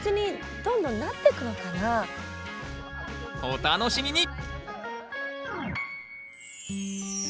お楽しみに！